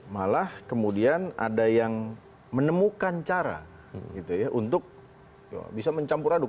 malah kemudian ada yang menemukan cara untuk bisa mencampur aduk